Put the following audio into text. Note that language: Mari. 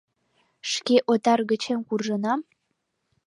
Шке отар гычем куржынам?